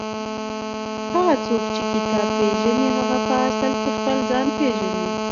هغه څوک چې کتاب پېژني هغه په اصل کې خپل ځان پېژني.